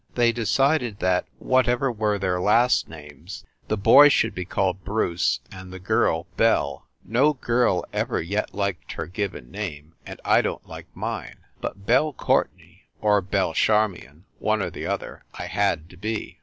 They decided that, whatever were their last names, the boy should be called Bruce and the girl Belle. No girl ever yet liked her given name, and I don t like mine but Belle Courtenay or Belle Charmion, one or the other, I had to be.